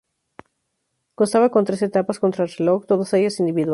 Constaba con tres etapas contrarreloj, todos ellas individuales.